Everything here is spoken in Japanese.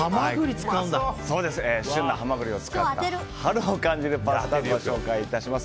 旬なハマグリを使った春を感じるパスタをご紹介します。